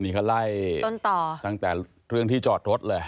นี่เขาไล่ต้นต่อตั้งแต่เรื่องที่จอดรถเลย